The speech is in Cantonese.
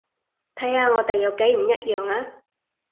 睇下我哋有幾唔一樣呀